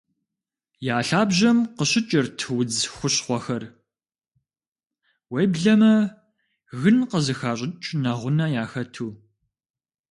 Я лъабжьэм къыщыкӀырт удз хущхъуэхэр, уеблэмэ гын къызыхащӀыкӀ нэгъунэ яхэту.